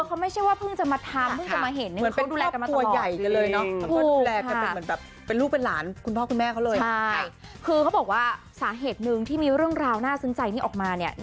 เขาไม่ใช่ว่าเพิ่งจะมาทำเพิ่งจะมาเห็นนะคะ